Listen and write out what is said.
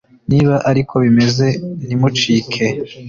Niba ari ko bimeze ntimucike